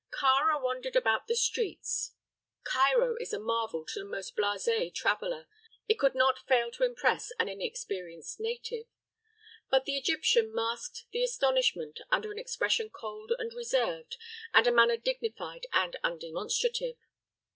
Kāra wandered about the streets. Cairo is a marvel to the most blasé traveler; it could not fail to impress an inexperienced native. But the Egyptian masked the astonishment under an expression cold and reserved and a manner dignified and undemonstrative.